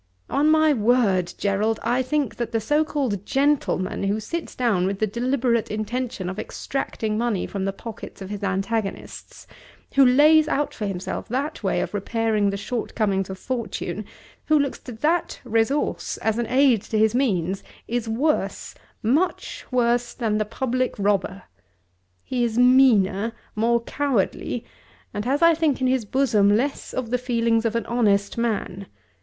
On my word, Gerald, I think that the so called gentleman who sits down with the deliberate intention of extracting money from the pockets of his antagonists, who lays out for himself that way of repairing the shortcomings of fortune, who looks to that resource as an aid to his means, is worse, much worse, than the public robber! He is meaner, more cowardly, and has I think in his bosom less of the feelings of an honest man.